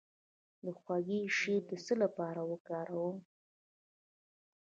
د هوږې شیره د څه لپاره وکاروم؟